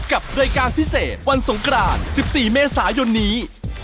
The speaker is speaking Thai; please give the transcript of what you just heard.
กับรายการพิเศษวันสงกราน๑๔เมษายนนี้